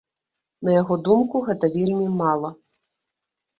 На яго думку, гэта вельмі мала.